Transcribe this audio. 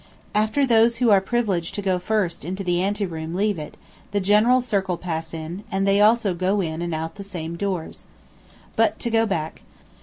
After those who are privileged to go first into the ante room leave it, the general circle pass in, and they also go in and out the same doors. But to go back.